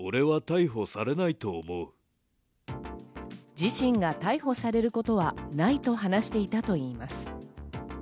自身が逮捕されることはないと話していたといいます。